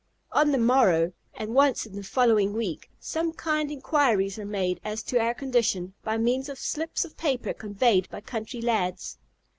On the morrow, and once in the following week, some kind inquiries were made as to our condition, by means of slips of paper conveyed by country lads.